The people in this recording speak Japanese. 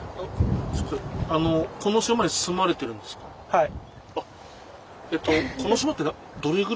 はい。